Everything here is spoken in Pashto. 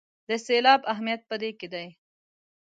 د سېلاب اهمیت په دې کې دی.